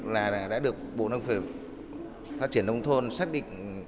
là đã được bộ nông phẩm phát triển nông thôn xác định